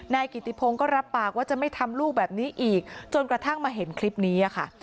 นายกิติพงศ์ก็รับปากว่าจะไม่ทำลูกแบบนี้อีกจนกระทั่งมาเห็นคลิปนี้ค่ะ